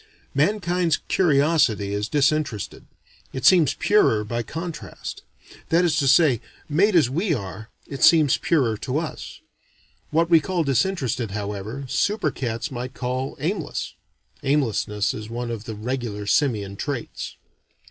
Mankind's curiosity is disinterested; it seems purer by contrast. That is to say, made as we are, it seems purer to us. What we call disinterested, however, super cats might call aimless. (Aimlessness is one of the regular simian traits.)